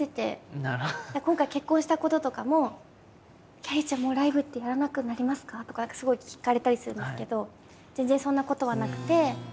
今回結婚したこととかも「きゃりーちゃんもうライブってやらなくなりますか？」とかすごい聞かれたりするんですけど全然そんなことはなくて。